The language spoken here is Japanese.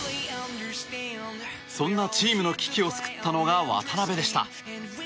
そんなチームの危機を救ったのが渡邊でした。